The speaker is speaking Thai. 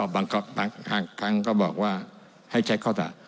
บางครั้งก็บอกว่าให้ใช้ข้อด่า